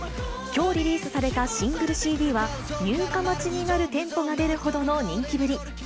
きょうリリースされたシングルＣＤは、入荷待ちになる店舗が出るほどの人気ぶり。